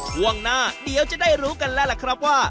ช่วงหน้าเดี๋ยวจะได้รู้กันแล้วล่ะครับว่า